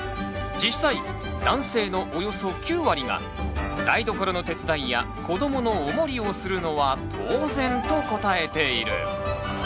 実際男性のおよそ９割が「台所の手伝いや子どものおもりをするのは当然」と答えている。